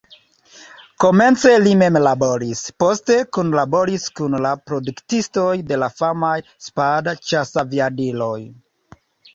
Komence li mem laboris, poste kunlaboris kun la produktistoj de la famaj Spad-ĉasaviadiloj.